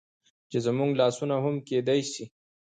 چې زموږ لاسونه هم کيدى شي